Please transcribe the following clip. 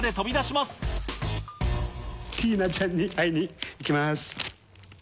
ティーナちゃんに会いに行きます。